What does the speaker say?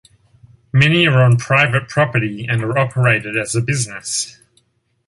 Many are on private property and are operated as a business.